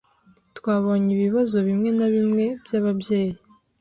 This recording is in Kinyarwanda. Twabonye ibibazo bimwe na bimwe byababyeyi.